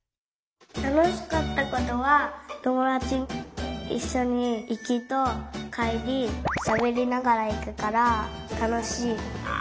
たのしかったことはともだちといっしょにいきとかえりしゃべりながらいくからたのしい。